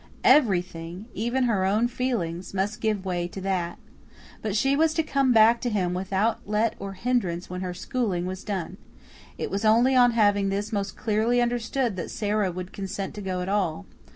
Everything, even her own feelings, must give way to that. But she was to come back to him without let or hindrance when her "schooling" was done. It was only on having this most clearly understood that Sara would consent to go at all.